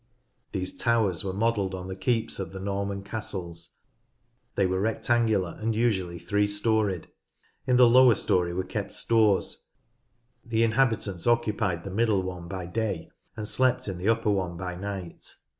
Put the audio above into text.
These towers were modelled on the keeps of the Norman castles. They were rectangular and usually three storeyed. In the lowest storey were kept stores, the inhabitants occu pied the middle one by day and slept in the upper one by night.